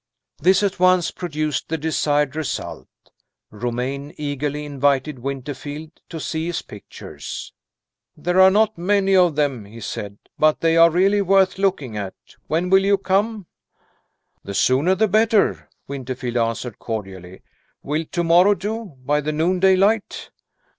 This at once produced the desired result. Romayne eagerly invited Winterfield to see his pictures. "There are not many of them," he said. "But they are really worth looking at. When will you come?" "The sooner the better," Winterfield answered, cordially. "Will to morrow do by the noonday light?"